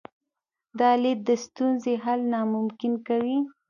دا لید د ستونزې حل ناممکن کوي.